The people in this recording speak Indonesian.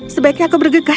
sebaiknya aku bergegas